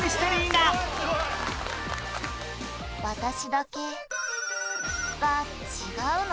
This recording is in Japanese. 「私だけが違うの」